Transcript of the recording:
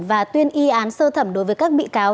và tuyên y án sơ thẩm đối với các bị cáo